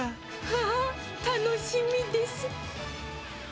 わー、楽しみです。